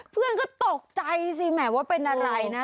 เพื่อนก็ตกใจสิแหมว่าเป็นอะไรนะ